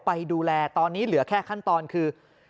ไปดูแลตอนนี้เหลือแค่ขั้นตอนคือ